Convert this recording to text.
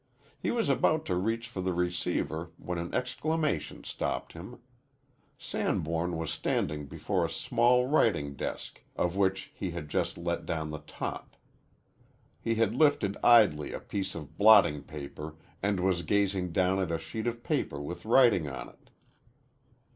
He was about to reach for the receiver when an exclamation stopped him. Sanborn was standing before a small writing desk, of which he had just let down the top. He had lifted idly a piece of blotting paper and was gazing down at a sheet of paper with writing on it.